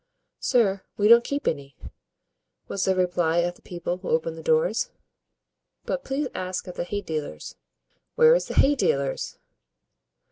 "Sir, we don't keep any," was the reply of the people who opened the doors; "but please ask at the hay dealer's." "Where is the hay dealer's?"